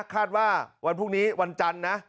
ว่าวันพรุ่งนี้วันจันทร์นะ